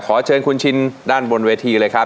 ขอเชิญคุณชินด้านบนเวทีเลยครับ